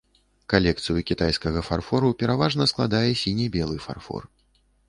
Калекцыю кітайскага фарфору пераважна складае сіне-белы фарфор.